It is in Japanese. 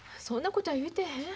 そんなことは言うてへん。